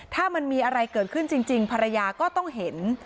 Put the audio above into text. ถ้ามันมีอะไรเกิดขึ้นจริงภรรยาก็ต้องเห็น